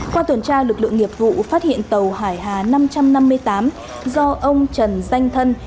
qua tuần tra lực lượng nghiệp vụ phát hiện tàu hải hà năm trăm năm mươi tám do ông trần danh thân